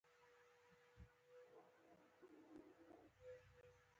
د ښادۍ ودونه یې شه،